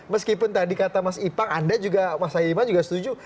meskipun tadi kata mas ipang anda juga mas haji imam juga setuju